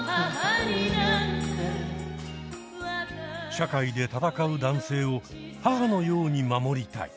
社会でたたかう男性を母のように守りたい。